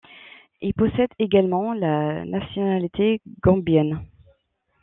Il possède également la nationalité gambienne.